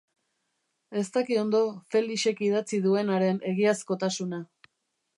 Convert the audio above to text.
Ez daki ondo Felixek idatzi duenaren egiazkotasuna.